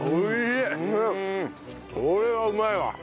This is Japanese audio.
これはうまいわ。